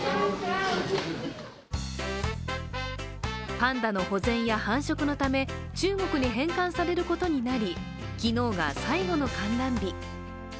パンダの保全や繁殖のため、中国に返還されることになり、昨日が最後の観覧日。